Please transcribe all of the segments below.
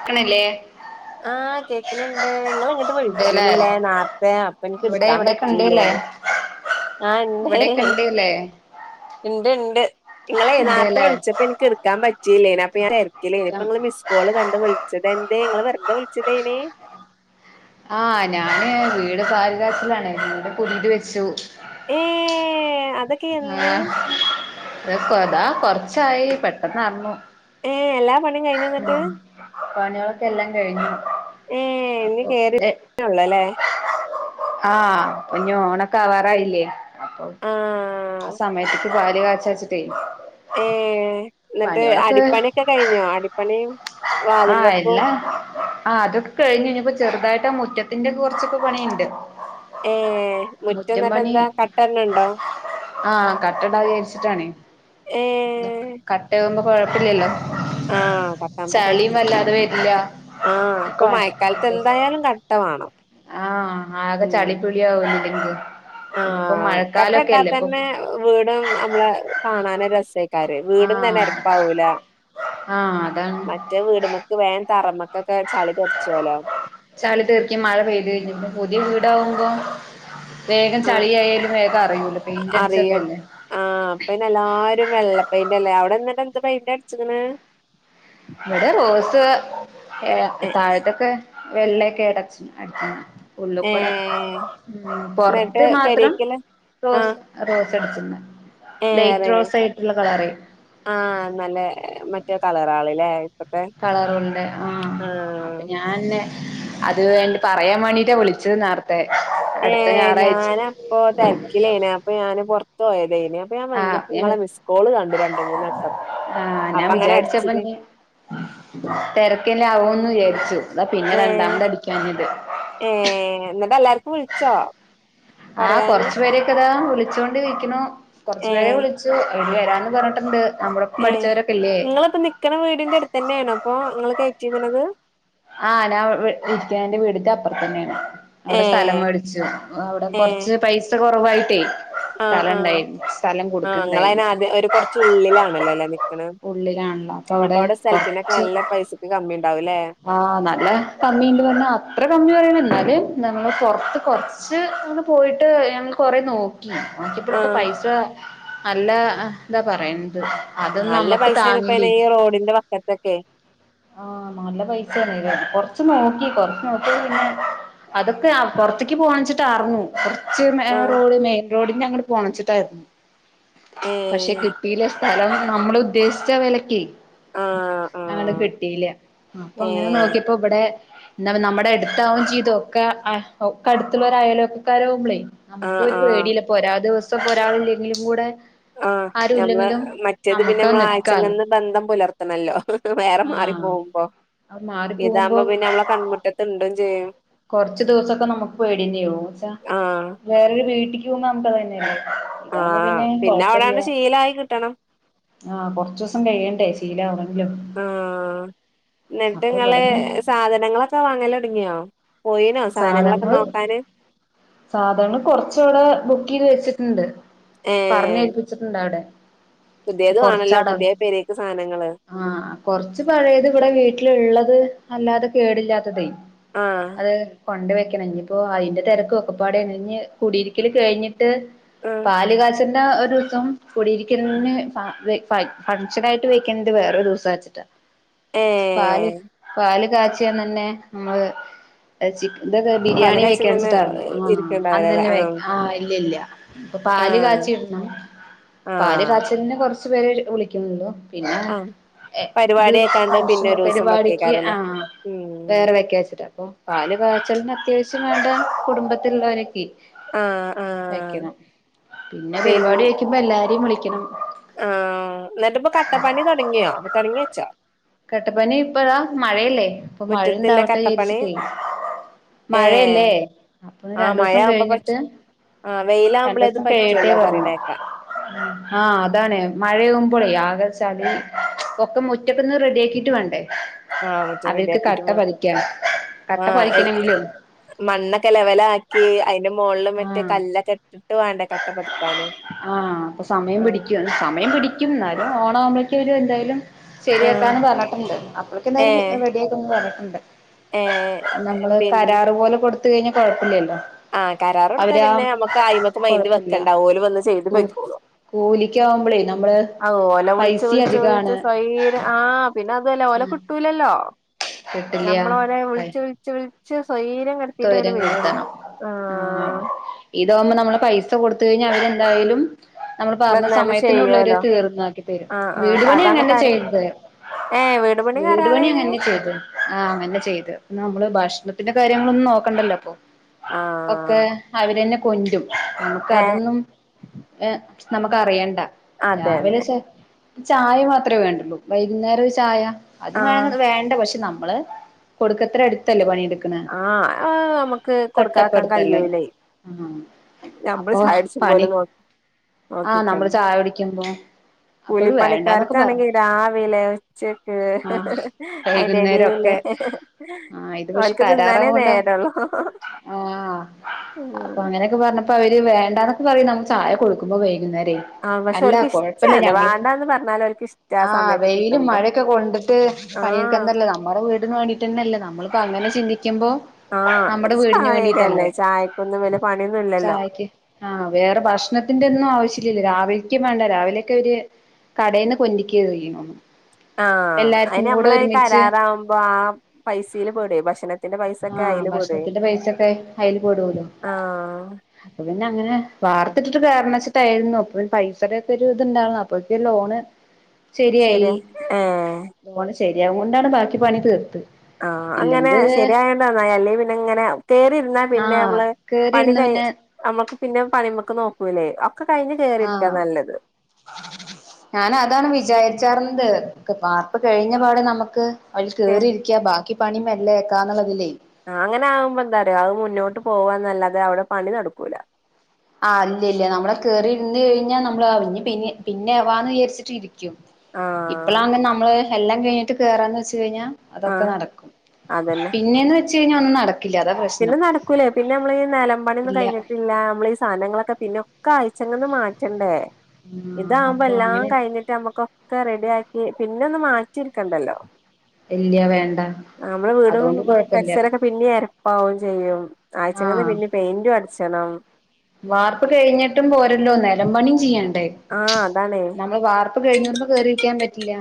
[unintelligible] ആഹ്, കേക്ക്ണ്‌ണ്ട്‌. ങ്ങള്ങ്ങട്ട് ഇണ്ടല്ലേ വിളിച്ചീനി ല്ലേ നാർത്തെ. അപ്പ നിക്ക് ഇവിടെ ഇട്ക്കാൻ ഇവിടെക്കെ ഇണ്ടല്ലേ പറ്റീല്ലേന് ആ ണ്ടേ ഇവിടെക്കെ [unintelligible] ഇണ്ട്ല്ലേ ണ്ട്. ണ്ട്. ഇങ്ങളെയ് നാർത്തെ ഇണ്ടല്ലേ വിളിച്ചപ്പ ഇൻക്ക് ഇറ്ക്കാൻ പറ്റീല്ലേന്ന്. അപ്പൊ ഞാൻ തെരക്കിലേനി. നിക്കാം പ്പ ങ്ങള് മിസ് കോള് രണ്ട് വിളിച്ചത. എന്തെ ങ്ങള് വെർതെ വിളിച്ചതേനി ആ നാന് വീട് പാല് കാച്ചലാണ്. വീട് പുതിത് വെച്ചു. ഏ അത് ആഹ്, എ ക്കൊ താ കൊറച്ചായി പെട്ടെന്ന് നടന്നു. ഏഹ്, എല്ലാ പൺ- ഉം, പണിയേളൊക്കെ എല്ലാം കഴിഞ്ഞു. ഏഹ് ഇഞ്ഞ് അപ്പൊ കേറി ടെ ഒള്ളൂല്ലേ [inaudible] ആ പ്പഞ്ഞ് ഓണൊക്കെ ആവാറായില്ലേ, അപ്പൊ ആഹ് ആ സമയത്ത്ക്ക് പാല് കാച്ച ച്ചിട്ടേയ് ഏ ന്നിട്ട് അടിപ്പണിയൊക്കെ കഴിഞ്ഞോ? അടിപ്പണിയും ആ വാതിൽ ഇല്ല. വെപ്പും ആ അത് കഴിഞ്ഞു. ഞ്ഞിപ്പോ ചെറുതായിട്ട് ആ മുറ്റത്തിൻ്റൊക്ക കൊർച്ചൊക്ക പണിണ്ട്. ഏ മുറ്റം നട്ട് എന്താ കട്ടട്ണ്‌ണ്ടോ ആ കട്ട ടാ വിചാരിച്ചിട്ടാണെയ്. തൊക് ഏഹ് കട്ടേവുമ്പോ കൊഴപ്പില്ലല്ലോ. ആ ചളിയും [unintelligible] വല്ലാതെ വരില്ല ആ അപ്പം മഴക്കാലത്ത് എന്തായാലും ക ട്ട വാണം ആ, ആകെ ചളി പിളിയാവ്. [unintelligible] ഇന്നിപ്പോ ആഹ് കട്ട ഇട്ടാ മഴക്കാലൊക്കെയല്ലേ പ്പം തന്നെ വീടും നമ്മളെ കാണാനൊരു രസെ ക്കാരെയ്, വീടും തന്നെ ആഹ് എരപ്പാവൂല. ആഹ് അതാണ് മ- റ്റെ വീട്മ്മക്ക് വേൻ തറമ്മക്കൊക്കെ ചളി തെറ്ച്ചോല്ലോ ചളി തെറിക്കും മഴ പെയ്ത്. ഇഞ്പ്പം പുതിയ വീടാവുമ്പം വേഗം ആഹ് ചളിയായാലും വേഗറിയൂല. പെയിന്റ് അടിച്ചതല്ലെ. ആ, പ്പ അയ്ന് എല്ലാരും വെള്ളപ്പെയ്ന്റല്ലേ അവിടെ ന്നട്ട് എന്ത് പെയ്ന്റ അടിച്ച്ക്ക്ണ്? വടെ റോസ്. ഏ ഏഹ് തായത്തൊക്കെ വെള്ളെക്കെ ടച്ച്ന് അടിച്ച്ണ് ഉള്ള്ക്കൂടെ, ഏഹ് ഉം എന്നിട്ട് പൊർത്ത് മാത്രം പെരേക്കില്ലേ റോസ്- ആഹ് അ റോസ് അടിച്ച്ണ്ണ് ലൈറ്റ് റോസ് ആയിട്ട്ള്ള കളറെയ് ആ നല്ലെ മറ്റേ കളറേള് ഇല്ലേ കളറുണ്ട് ആ അപ്പൊ ഞ ആന്നെ അത് പറയാ വേണ്ടീട്ടാ വിളിച്ചത് നേർത്തെ അടുത്ത ഞായറാഴ്ച പ്പൊ തെർക്കിലേനു അപ്പൊ ഞാന് പൊർത്തോയ്തേനെ. ഇപ്പ ഞാൻ ആഹ് വന്നപ്പോ ഞാൻ നിങ്ങളെ മിസ്കോള് കണ്ട് രണ്ട് മൂന്ന് വട്ടം അപ്പ അങ്ങനെ അടിച്ചതേനു. തിരക്കിലാകൂന്ന് വിജാരിച്ചു. അതാ പിന്നെ ഏഹ് രണ്ടാമത് അടിക്കാഞ്ഞത്. ഏഹ് എന്നിട്ട് എല്ലാർക്കും വിൾച്ചോ? ആഹ് കൊറച്ചു പേരൊക്കിതാ വിളിച്ചൊണ്ട്ക്കിണു. കൊറച്ചു പേരെ ഏഹ് വിളി- ച്ചു അയന് വരാന്ന് പറഞ്ഞിട്ട് ഉണ്ട് നമ്മുടൊ ഒപ്പം പഠിച്ചവരൊക്കെല്ലേ. നക്കണ വീടിന്റെറ അടുത്തെന്നാണോ അപ്പൊ നിങ്ങള് കേറ്റീക്ണത്? ആ ഞാൻ ഇരിക്കണേന്റെ വീടിന്റെ അപ്പർത്തന്നേ ന്നെ ആണ് അവ്ടെ സ്ഥലം ഏഹ് മേട്ച്ചു. അവിടെ കൊറച്ച് പൈസ കൊറവായിട്ടേ ആ ആഹ് ആ ഇങ്ങളൈന് കൊടുക്കണ്ടായിരുന്നു ആദ്യം ഒരു കൊറച് ഉുള്ളിലാണല്ലോല്ലെ നിൽക്കണ ഉള്ളിലാണല്ലോ അപ്പൊ അവിടെ അവ്ടെ സ്ഥൽത്തിനൊക്കെ നല്ല കൊറച്ച് പൈസക്ക് കമ്മിണ്ടാവൂലേ ആഹ് നല്ല കമ്മിണ്ട് പറഞ്ഞ അത്ര കമ്മി പറയണം ഇന്നാല് നമ്മള് പുറത്ത് കൊറച് ച്ച് അന്ന് പോയിട്ട് ഞങ്ങൾകൊറേ നോക് - ഉഓൻക്കിപ്പളൊക്കെ ആഹ് പൈസ നല്ല അഹ് ഇന്താ പറയന്ത്‌ നല്ല പൈസാണ് ഇപ്പനെ ഈ റോഡിന്റെ വക്കത്തെക്കെ ആഹ് നല്ല പൈസാണ്ലേ കൊർച് നോക്കീ കൊറച്ച് നോക്കി പിന്നെ അതൊക്കെ ആ പൊറത്തിക്ക് പോണച്ചിട്ടാർന്നു. കുറച്ച് മേഹ് ആഹ് റോഡ് മെയിൻ റോഡിനങ്ങ്ട് പോണച്ചിട്ടായിരുന്നു. പക്ഷെ ഏഹ് കി- യിലെ സ്ഥലം നമ്മള് ഉദ്ദേശിച്ച വെലക്കേ ആഹ് അങ്ങനെ ആഹ് കിട്ടീല. അപ്പൊ ഏ അങ്ങനെ നോക്കിയപ്പോ ഇവിടെ ന്നാ നമ്മടെ അടുത്താവും ചെയ്തു ഒക്കെ ആഹ് ഒക്കെ അടുത്തുള്ള അയലോക്കക്കാരാവും മ്പ്ളേയ് നമുക്ക് ആഹ് ഒരു ആഹ് പേടില്ലാപ്പൊരാ ദിവസം പൊരാൾല്ലെങ്കിലൂ കൂടെ ആഹ് ആരും ഞമ്മള് ഇല്ലെങ്കിലും മറ്റേത് പിന്നെ നമ്മുക്ക് നിക്കാലോ മ്മളാഴ്ച്ചങ്ങന്ന് ബന്ധം പുലർത്തണല്ലോ വേറെ മാറി ആഹ് പോകുമ്പോ അത് മാറി പോകുമ്പോ ഇതാവ്മ്പോ പിന്നെ നമ്മളെ കൺമുറ്റത്ത് ഇണ്ടും ചെയ്യും കൊറച്ച് ദിവസൊക്കെ നമുക് പേട്യേന്നേവും എന്ന് വെച്ചാ ആഹ് വേറൊരു വീട്ടിക്ക് പോകുമ്പോ നമുക്കതന്നേ നല്ലത്. ഇതാവുമ്പോ ആഹ് പിന്നെ അവിടാണ്ട് കൊഴപ്പല്ല്യ ശീലായി കിട്ടണം ആഹ് കൊറച്ചൊസം കഴിയണ്ടേ ശീലാവണെങ്കിലും ഇന്നിട്ട് അപ്പൊ നിങ്ങള് ഇവിടന്ന് സാധനങ്ങളൊക്കെ വാങ്ങലൊടങ്ങിയോ? പോയിനോ സാധനങ്ങളൊക്കെ സാധൻങ്ങള് നോക്കാന് സാധൻങ്ങള് കൊർച്ച് അവിടെ ബുക്കേയ്ത് വെച്ചിട്ട്ണ്ട്. ഏ പറഞ്ഞേൽപ്പിച്ചിട്ട്ണ്ട് അവ്ടെ പുത്യത് വാണല്ലോ പുത്യേ പെരേക്ക് സാനങ്ങള്. ആഹ് കൊറച്ച് പഴേത് ഇവിടെ വീട്ട്ലിള്ളത് വല്ലാതെ കേടില്ലാത്തതേയ് ആഹ് കൊണ്ട് വെക്കണം ഇഞ്പ്പോ അയ്ന്റെ തെരക്കും ഒക്കെപ്പാടെഞ് ഇഞ്ഞ് കുടിയിരിക്കല് കയ്ഞ്ഞിട്ട് ആഹ് പാല് കാച്ചൽൻ്റ ഒരൂസം കുടീര്ക്കന്ന് ഫ ഫായ് ഫംങ്ഷനായിട്ട് വെയ്ക്കണ്ട് വേറൊരൂസം ആച് ട്ട ഏ പാല് പാല് കാച്ചിയന്നന്നേ നമ്മള് ചിക്കന്റേത് പല ബിരിയാണി കക്ഷിയും തന്നെ വെക്കൺച്ചിട്ടാര്ന്നു. ആഹ് അന്നന്നെ വെ ആഹ് ഇല്ല്യ ഇല്ല്യ ഇപ്പൊ പാല് ആഹ് കാച്ചിട്ണം. പാല് ആഹ് കാച്ചൽന് കൊറച്ചു പേര് വിളിക്കുന്ന്ള്ളൂ പിന്നെ ആഹ് ഇത് പരിപാടി ആക്കാണ്ട് പിന്നെ ഫംങ്ഷൻ ഒരു ദിവസം പരിപാടിക്ക് വെക്കേക്കാരല്ലേ ആഹ് ഉം വേറെ വെക്ക്യാച്ചിട്ടാ അപ്പൊ പാല് കാച്ചൽന് അത്യാശ്യം വേണ്ട കുടുംബത്തിൽ ഉള്ളോരെക്കേ ആഹ് ആഹ് വെക്കണം. പിന്നെ പിൻ പരിപാടി വെക്കുമ്പോ എല്ലാരേം വിളിക്കണം ആഹ് ഇന്നിട്ട് ഇപ്പൊ കട്ടപ്പണി തൊട്ങ്ങിയോ തെടങ്ങിവെച്ചൊ? കട്ടപ്പണി ഇപ്പതാ മഴയല്ലേ ഇപ്പൊ മുറ്റത്തില്ല മഴണ്ടാവ് ട്ടേ കട്ടപ്പണി വിചാരിച്ചിട്ടേ ഏഹ് മഴയല്ലേ അപ്പൊ ആഹ് മഴ രണ്ടോസം ആവുമ്പോ പ കഴിഞ്ഞിട്ട് ആഹ് വെയിലാവുമ്പളേത് രണ്ടൂസം കഴിയട്ടെ പറ്റോള്ളു പറഞ്ഞു പറേണേക്കാ ആഹ് അതാണെ മഴാമ്പോളെ ആകെചളി ഒക്കെ മുറ്റം - ഇന്ന് റെഡി ആക്കിട്ട് വേണ്ടേ ആഹ് മുറ്റം അവർക്ക് റെഡിയാക്കിട്ട് കട്ട വാ പതിക്കാൻ കട്ട ആഹ് എൽ പതിക്കണെങ്കിലേ മണ്ണൊക്കെ ലെവലാക്കി അതിന്റെ മുകളില് മറ്റേ ആഹ് കല്ലൊക്കെ ഇട്ടിട്ട് വേണ്ടേ കട്ടവെക്കാൻ ആഹ് അപ്പൊ സമയം പിടിക്കും സമയം പിടിക്കും എന്നാലും ഓണവുമ്പഴേക്കും ഒരു എന്തായാലും ആഹ് ശരിയാക്കാന്ന് പറഞ്ഞിട്ടുണ്ട് അപ്പോളേക്കും ഏഹ് എന്തായാലും റെഡിയാക്കുന്ന് പറഞ്ഞിട്ടുണ്ട് ഏഹ് നമ്മള് പിന്നെ കരാറ് പോലെ കൊടുത്ത് കഴിഞ്ഞാ കൊഴപ്പില്ലല്ലോ ആഹ് കരാർ കൊടുത്ത അവരാ പിന്നെ നമ്മുക്ക് ആയിമക്ക് മയിന്റ് കൊഴപ്പില്ല വെക്കണ്ടാ ഓല് വന്ന് ചെയ്ത് കൂ പോയ്ക്കോളും കൂലിക്കാവുമ്പളേ നമ്മള് ആ ഓല വിളിച്ച് പൈസ വിളിച്ച് വിളിച്ച് അധികാണ് സ്വൈരം ആഹ് പിന്നെ അതല്ല ഓല കിട്ട കിട്ടൂല്ലല്ലോ കിട്ടില്ല്യ നമ്മള് ഓരേ പൈ വിളിച്ച് വിളിച്ച് വിളിച്ച് സ്വൈര്യം കെടുത്തിയിട്ടേ അവരെ തൊയ്രം വരുള്ളൂ. കെടുത്തണം ആ ആഹ് ഇതാകുമ്പോ നമ്മളെ പൈസ കൊടുത്തു കഴിഞ്ഞാൽ അവരെ എന്തായാലും നമ്മള് പറഞ്ഞ വന്നാണ്ട് സമയത്തിനുള്ളവരു ചെയ്യുവല്ലോ തീർന്നാക്കി തരും ആ ആ വീടുപണി അതാണ് അങ്ങനെ കര ചെയ്ത് വീട് പണി അങ്ങന്നെ ചെയ്തു ആഹ് അങ്ങനെ ചെയ്ത് പിന്നെമ്മള് നമ്മള് ഭക്ഷണത്തിന്റെ കാര്യങ്ങളൊന്നും നോക്കണ്ടല്ലോ അപ്പൊ ആ ഒക്കെ അവരന്നെ കൊഞ്ചും നമുക്ക് ഏ അതൊന്നും ഏഹ്‌ നമുക്ക് അറിയണ്ടാ രാവിലെ അതെല്ലേ ചായ മാത്രമേ വേണ്ടുള്ളൂ വൈകുന്നേരം ഒരു ചായ ആ അതും വേ വേണ്ട പക്ഷെ നമ്മള് കൊടുക്കത്ര അടുത്തല്ലേ പണിയെടുക്ക ആഹ് ഒ നമുക്ക് കൊടുക്കതാക്കാൻ തൊട്ടപ്പടുത്തല്ലേ കഴിയൂല്ലേ ആഹ് നമ്മള് അപ്പൊ ചാടിച്ച പോലെ പണി നോക്ക് ആഹ് നമ്മളെ ചായ കുടിക്കുമ്പോ അപ്പൊ ഓര് വേണ്ടാന്നൊക്കെ കൂലിപ്പണിക്കാർക്ക് അണെങ്കി പറഞ്ഞു രാവിലെ ഉച്ചക്ക് ആഹ് അതിന്റെടേല് വൈകുന്നേരൊക്കെ അവൾക്ക് തിന്നാന് [unintelligible] ആഹ് അതിപ്പങ്ങനെ അങ്ങനെയൊക്കെ പറഞ്ഞപ്പോ അവര് വേണ്ടാന്നൊക്കെ പറയും നമ്മള് ചായ കൊടുക്കുമ്പോ വൈകുന്നേരായി ആഹ് പക്ഷെ അല്ല ഓൽക്ക് കൊഴപ്പില്ല ഇഷ്ടാണ് ഞങ്ങളിപ്പം വാണ്ടാന്ന് പറഞ്ഞാലും ഓൽക്ക് ഇഷ്ടാ ആ ആഹ് സമയത്ത് വെയിലും കിട്ടുമ്പോ മഴൊക്കെ കൊണ്ടിട്ട് ആഹ് പണിയെടുക്കനതല്ലേ നമ്മുടെ വീടിന് വേണ്ടീട്ട്ന്നല്ലേ നമ്മളിപ്പോ അങ്ങനെ ചിന്തിക്കും ആഹ് ഒരു ചായയൊക്കെല്ലേ ചായക്കൊന്നും വലിയ പണിയൊന്നും ഇല്ലല്ലോ ചായക്ക് ആഹ് വേറെ ഭക്ഷണത്തിന്റെ ഒന്നും ആവിശ്യല്ലല്ലോ രാവിലേക്കും വേണ്ട രാവിലെയൊക്കെ അവര് കടേന്നു [unintelligible] ആഹ് അതിന് നമ്മള് കരാറാവുമ്പോ ആ ഫൈസില് പോയിട്ടേ ഭക്ഷണ ആഹ് ഭക്ഷണത്തിന്റെ പൈസൊക്കെ അയിലെ പെടുല്ലോ ആഹ് അപ്പൊ പിന്നെ അങ്ങനെ വാർത്തിട്ടിട്ട് കേറണം വെച്ചിട്ടായിരുന്നു അപ്പൊ പൈസയുടെക്കെ ഒരു ഇതിണ്ടാറുന്നു അപ്പ ലോണ് ശരിയായി ശരിയാ ഏഹ് മോളെ ശരിയാവുണ്ടാണ് ബാക്കി പണി തീർത്ത് ആഹ് അങ്ങനെ ഇല്ലെങ്കിൽ ശെരിയായോണ്ടന്നായി അല്ല പിന്നെ ഇങ്ങനെ കേറിരുന്നാൽ പിന്നെ ആഹ് നമ്മള് പണി കേറിയിരുന്ന് കൈ പിന്നെ നമ്മുക്ക് പിന്നെ പണിമക്ക് നോക്കൂല്ലേ ഒക്കെ കഴിഞ്ഞ് കേറിയിരിക്കാ നല്ലത് ഞാനതാണ് വിചാരിച്ചാർന്നത് വാർപ്പ് കഴിഞ്ഞ പാടെ നമുക്ക് [unintelligible] കേറിരിക്കുക ബാക്കി പണി മെല്ലേക്കാന്നുള്ളതിലേ ആ അങ്ങന ആകുമ്പോ എന്താറയ അത് മുന്നോട്ട് പോവാന്നല്ലാതെ അവിടെ പണി നടക്കൂല ആ അല്ലല്ല നമ്മളെ കേറി ഇരുന്ന് കഴിഞ്ഞാൽ നമ്മൾ അവര് പിന്ന പിന്നെ ആവാന്ന് വിചാരിച്ചിട്ട് ഇരിക്കും ആഹ് ഇപ്പളാ അങ്ങ് നമ്മള് എല്ലാം കഴിഞ്ഞിട്ട് കേറാന്ന് വെച്ച് കഴിഞ്ഞാൽ അതൊക്കെ ആഹ് നടക്കും അതന്നെ പിന്നേന്ന് വെച്ച് കഴിഞ്ഞാൽ ഒന്നും നടക്കില്ല പ്ര പിന്നെ നടക്കൂലേ പിന്നെ നമ്മള് ഈ നിലമ്പണിന്നും ഇല്ല കഴിഞ്ഞിട്ടില്ല നമ്മള് ഈ സാധനങ്ങളൊക്കെ പിന്നൊക്കെ ആഴ്ച്ചങ്ങങ്ന്ന് മാറ്റണ്ടേ ആഹ് ഇതകുമ്പോ അപ്പൊ എല്ലാം അങ്ങനെ കഴിഞ്ഞിട്ട് നമ്മുക്ക് ഒക്കെ റെഡിയാക്കി പിന്നെ ഒന്ന് മാറ്റിയെടുക്കണ്ടല്ലോ ഇല്ല വേണ്ട നമ്മള് വീടും അതുകൊണ്ട് കൊഴപ്പല്ല പരിസരൊക്കെ പിന്ന ആ പ്പവും ചെയ്യും ആയ്ച്ചങ്ങന്ന് ആഹ് പിന്നെ പെയിന്റും അടിച്ചണം വാർപ്പ് കഴിഞ്ഞിട്ടും പോരല്ലോ നിലം പണിയും ചെയ്യണ്ടേ ആഹ് അതാണ് നമ്മള് വാർപ്പ് കഴിഞ്ഞോരുമ്പോ കേറിയിരിക്കാൻ പറ്റില്ല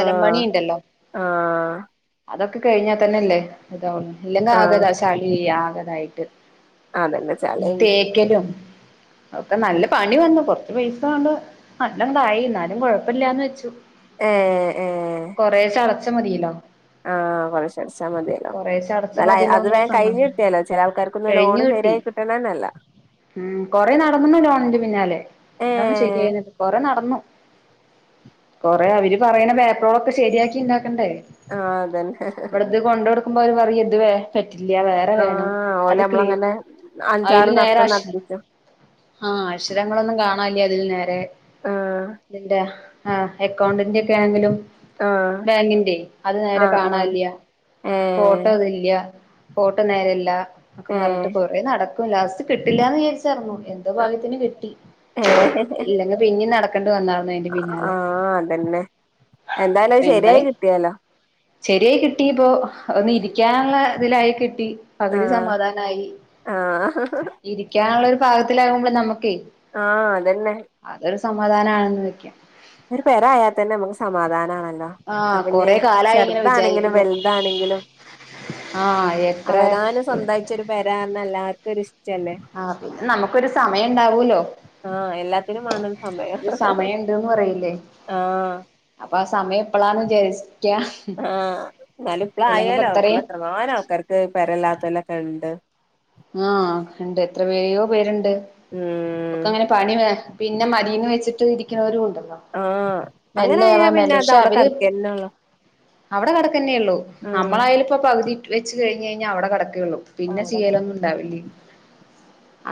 ആഹ് ആഹ് അതൊക്കെ കഴിഞ്ഞാൽ തന്നെല്ലേ ഇതാവുന്നു ഇല്ലെങ്കി ആഹ് ആഗതാ ചളി ആഗതായിട്ട് അതന്നെ ചളി തേക്കലും ഒക്കെ നല്ല പണി വന്നു കൊറച്ച് പൈസ ണ്ട് നല്ലം തായി എന്നാലും കുഴപ്പല്ലാന്ന് വെച്ചു ഹെ കൊറേഷെ അടച്ച മതിയലോ ആ കൊറേശേ അടച്ചാൽ മതിയല്ലോ അടച്ച ന്നാലും മതിയല്ലോ അത് എന്നുള്ള വേം കയിഞ് സമാധാനം കിട്ടിയലോ ചെല ആൾക്കാർക്കൊന്നും കഴിഞ്ഞു ലോണ് കിട്ടി ശരിയായി കിട്ടണന്നല്ല ഉം കൊറേ നടന്ന് ലോണിന്റെ പിന്നാലെ ന്നിട്ടാണ് ഏഹ് ശെരിയായത് കൊറേ നടന്നു കൊറേ അവര് പറയണ പേപ്പറോളൊക്കെ ശരിയാക്കി ഇണ്ടാക്കണ്ടേ ആഹ് അതന്നെ ഇവിടത് കൊണ്ട് കൊടുക്കുമ്പോ അവര് പറയ ഇതുവേ പറ്റില്ല വേറെ വേണം അത് ക്ലീയർ അൻ അ നേര അഷ് ആ അഷരങ്ങളൊന്നും കാണല്ല അതില് നേരെ ആഹ് ഇതിന്റെ ആ എക്കൗണ്ടിന്റെ ഒക്കെ ആണെങ്കിലും ആഹ് ബാങ്കിന്റെ അത് നേരെ ആഹ് ആഹ് കാണാല്ല്യ ഏഹ് ഫോട്ടോ ഇതിലില്ല ഫോട്ടോ നേരല്ല ഒക്കെ പറഞ്ഞിട്ട് ഏഹ് കൊറെ നടക്കും ലാസ്റ്റ് കിട്ടില്ലാന്ന് വിചാരിച്ചാർന്നു ഹെ എന്തോ ഭാഗ്യത്തിന് കിട്ടി ഇല്ലെങ്കിൽ പിന്നേം നടക്കേണ്ടി വന്നാർ‌ന്നു ആ അതന്നെ എന്തായാലും അത് ശരിയായി കിട്ടിയല്ലോ ശെരിയായി കിട്ടി ഇപ്പോ ഒന്ന് ഇരിക്കാള്ള ഇതിലായി കിട്ടി പകുതി സമാധാനായി ആഹ ആ ആ ഇരിക്കാനുള്ള ഒരു പാകത്തിലാകുമ്പോൾ നമുക്കേ ആ അതന്നെ അതൊരു സമാധാനാണെന്ന് വെക്കാം ഒരു പേരായ തന്നെ നമുക്ക് സമാധാനാണല്ലോ ആ അപ്പൊ പിന്നെ കൊറെ കാലായി ഇങ്ങനെ ചെറുതാണെങ്കിലും വിചാരിക്കുന്നു വലുതാണെങ്കിലും ആ എത്ര സ്വന്തായിട്ട് ഒരു പേരാഹ് എല്ലാർക്കും ഒരിഷ് ആ പിന്നെ നമുക്കൊരു സമയം ഇണ്ടാവൂലോ ആ എല്ലാത്തിനും വണം ഒരു സമയം സമയം ഇണ്ട്ന്ന് പറയില്ലേ ആഹ് അപ്പൊ ആ സമയം ഇപ്പളാണ് വിചാരിക്ക ആഹ് ഇന്നാലും ഇല്ലെങ്കിപ്പോ ഇപ്പളായല്ലോ ഇപ്പള ഇത്രയും എത്രങ്ങാനും ആൾക്കാർക്ക് പെരല്ലാത്തലൊക്കെ ഇണ്ട് ആ ഇണ്ട് എത്രപേയോ പേരിണ്ട് മ്മ് ഒക്കെ അങ്ങനെ പണി വേ പിന്നെ മതീന്ന് വെച്ചിട്ട് ഇരിക്കണോരും ഇണ്ടല്ലോ ആഹ് അങ്ങനായാ പിന്നെ അത് അവടെ കെടക്കനൊള്ളോ അവടെ കെടക്കന്നെ ഉള്ളു ആഹ് നമ്മളായാലും ഇപ്പ പകുതി വെച്ച് കഴിഞ്ഞെഞ്ഞാ അവടെ കെടക്കയുള്ളു പിന്നെ അവിടെ ചെയ്യലൊന്നുണ്ടാവില്ലേ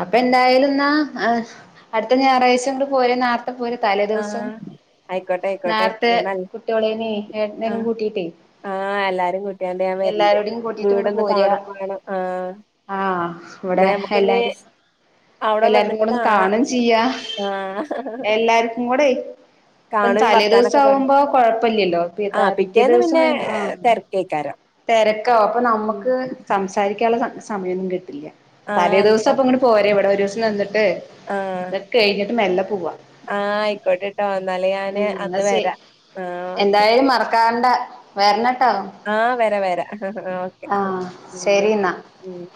അപ്പൊ എന്തായാലുന്നാ അടുത്ത ഹെ ഞായറാഴ്ച്ച ഇങ്ങട് പോര് നർ ത്തെ പോര് തലേ ദിവസോം ആഹ് ആയിക്കോട്ടെ ആയിക്കോട്ടെ നേർത്തെ ഞാൻ അൽ കുട്ട്യോളേനേം ഏട്ടനേം കൂട്ടീട്ടേ ആ എല്ലാരേം കുട്ടിയാണ്ട് ഞാൻ വരണ്ട് കൂട്ടിട്ട് വീടൊന്ന് കാണും വേണം ആഹ് ആ എന്നാ ഇവിടെ ഞമ്മക്കിനി എല്ലാരും അവിടെ എല്ലാർക്കും വന്നിട്ട് കൂടെ ഒന്ന് കാണാം കാണും ചെയ്യാ ആഹ് എല്ലാർക്കും കൂടെ പ്പം കാണും തലേ ദിവസം വർത്താനൊക്കെ പറയും ആവുമ്പോ കൊഴപ്പില്ലല്ലോ പി പിറ്റേ ദിവസം വരും ആ അയ്കാരം തെരക്കാവും അപ്പൊ നമ്മക്ക് സംസാരിക്കാള്ള സമയൊന്നും കിട്ടില്ല തലേ ആഹ് ദിവസം എന്താ അപ്പൊ ഇങ്ങട് പോരെ ഇവിടെ ഒരു ദിവസം നിന്നിട്ട് ആഹ് ഇതൊക്കെ കഴിഞ്ഞിട്ട് മെല്ലെ പോവാ. ആഹ് ആയിക്കോട്ടെട്ടോ എന്നാല് ഞാന് ഉം എന്നാ അന്ന് ശരി വരാ. ആഹ് ഓക്കെ എന്തായാലും മറക്കാണ്ടെ വരണട്ടൊ. ആഹ് വരാ വരാ ആഹ്. ആഹ് ശരി ന്നാ ഉം